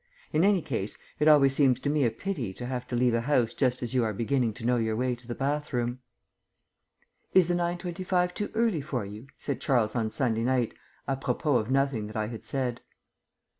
In any case, it always seems to me a pity to have to leave a house just as you are beginning to know your way to the bathroom. "Is the 9.25 too early for you?" said Charles on Sunday night à propos of nothing that I had said.